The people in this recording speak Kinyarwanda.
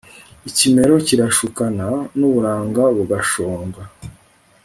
ikimero kirashukana n'uburanga bugashonga